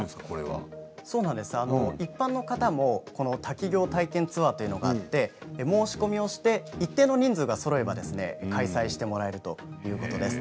一般の方も滝行体験ツアーというのがあって申し込みをして一定の人数がそろえば開催してもらえるということなんです。